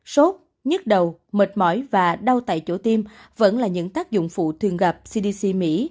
sốt nhức đầu mệt mỏi và đau tại chỗ tim vẫn là những tác dụng phụ thường gặp cdc mỹ